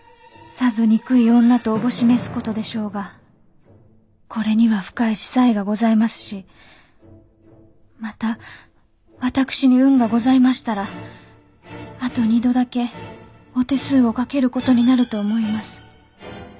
さぞ憎い女とおぼし召す事でしょうがこれには深い子細がございますしまた私に運がございましたらあと２度だけお手数をかける事になると思います。